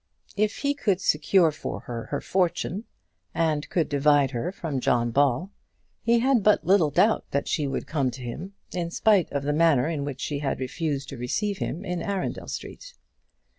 If he could secure for her her fortune, and could divide her from John Ball, he had but little doubt that she would come to him, in spite of the manner in which she had refused to receive him in Arundel Street.